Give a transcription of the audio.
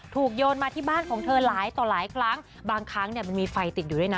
โยนมาที่บ้านของเธอหลายต่อหลายครั้งบางครั้งเนี่ยมันมีไฟติดอยู่ด้วยนะ